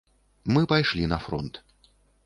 Мы пайшлі на фронт.